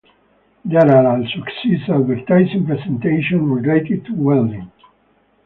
There are also exist advertising presentations related to welding.